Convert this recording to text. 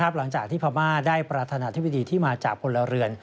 หลังจากที่พม่าได้ประธานาธิบดีที่มาจากพลเรือน